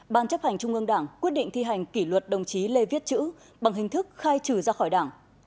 ban chấp hành trung ương đảng quyết định thi hành kỷ luật đồng chí lê viết chữ bằng hình thức khai trừ ra khỏi đảng